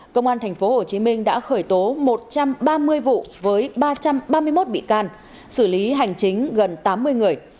công an tp hcm đã khởi tố một trăm ba mươi vụ với ba trăm ba mươi một bị can xử lý hành chính gần tám mươi người